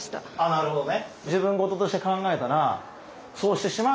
なるほどね。